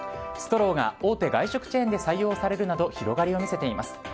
ストローが大手外食チェーンで採用されるなど広がりを見せています。